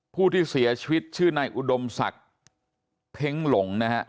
ผู้ที่เสียชีวิตชื่อนายอุดมศักดิ์เพ้งหลงนะฮะ